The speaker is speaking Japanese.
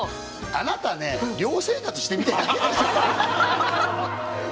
あなたね寮生活してみたいだけでしょ？